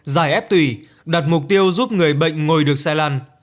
dài ép tủy đặt mục tiêu giúp người bệnh ngồi được xe lăn